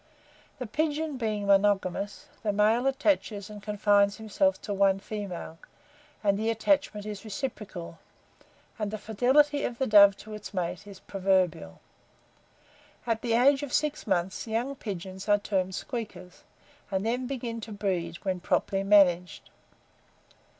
The pigeon being monogamous, the male attaches and confines himself to one female, and the attachment is reciprocal, and the fidelity of the dove to its mate is proverbial. At the age of six months, young pigeons are termed squeakers, and then begin to breed, when properly managed.